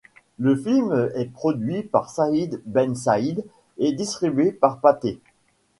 Le film est produit par Saïd Ben Saïd et distribué par Pathé.